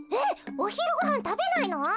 おひるごはんたべないの？